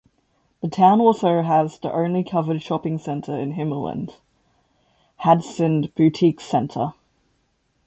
The town also has the only covered shopping center in Himmerland: Hadsund Butikscenter.